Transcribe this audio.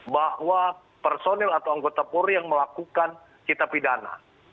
bahwa personil atau anggota polri yang melakukan kita pidana